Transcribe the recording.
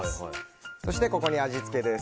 そして、ここに味付けです。